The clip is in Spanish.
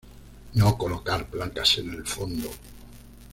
No colocar placas en el fondo.